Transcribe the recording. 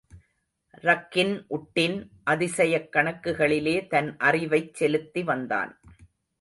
ரக்கின் உட்டின், அதிசயக் கணக்குகளிலே தன் அறிவைச் செலுத்திவந்தான்.